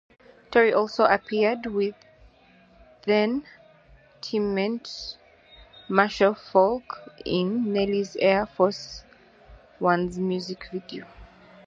Torry also appeared with then-teammate Marshall Faulk in Nelly's Air Force Ones music video.